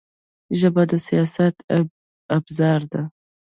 ژبه د سیاست ابزار ده